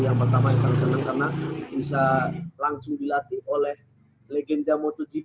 yang pertama yang sangat senang karena bisa langsung dilatih oleh legenda motogp